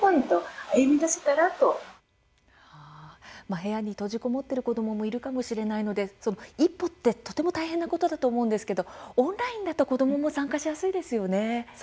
部屋に閉じこもっている子どももいるかもしれないので一歩ってとても大変なことだと思うんですけれどもオンラインだと子どもも参加しやすいですよね。